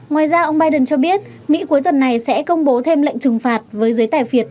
ngoài ra ông biden cho biết mỹ cuối tuần này sẽ công bố thêm lệnh trừng phạt với giới tài phiệt